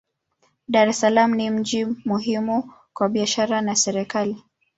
Dar es Salaam ni mji muhimu kwa biashara na serikali.